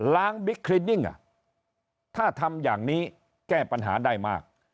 บิ๊กคลินิ่งถ้าทำอย่างนี้แก้ปัญหาได้มาก